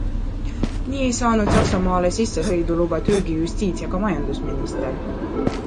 Nii ei saanud Saksamaale sissesõiduluba Türgi justiits- ja ka majandusminister.